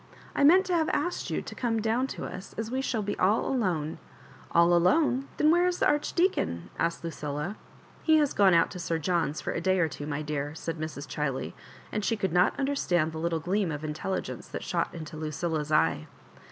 I meant to have asked you to come down to us, as we shall be all alone—" "All alone j Then where is the Archdea con f " asked Ludlla. " He has gone out to Sir John's for a day or two, my dear," said Mrs. Chiley, and she could not understand the little gleam of intelligence that shot into Lucilla's eye.